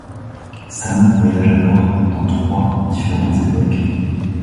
Sam voyage alors dans trois différentes époques.